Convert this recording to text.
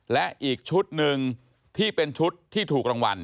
และอีกชุดหนึ่งที่เป็นชุดที่ถูกรางวัล